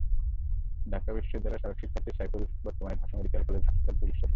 ঢাকা বিশ্ববিদ্যালয়ের সাবেক শিক্ষার্থী সাইফুল বর্তমানে ঢাকা মেডিকেল কলেজ হাসপাতালে চিকিৎসাধীন।